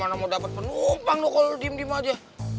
bagaimana mau dapat penumpang kalau lo diem diem aja